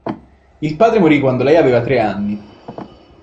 Il padre morì quando lei aveva tre anni.